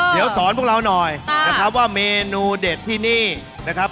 เดี๋ยวสอนพวกเราหน่อยนะครับว่าเมนูเด็ดที่นี่นะครับ